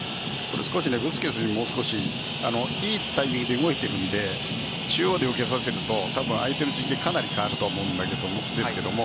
少しブスケツにもう少しいいタイミングで動いているので中央で受けさせると相手の陣形はかなり変わると思うんですが。